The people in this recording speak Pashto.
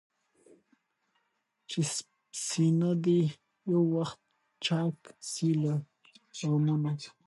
چي سينه دي يو وخت چاك سي له غمونو؟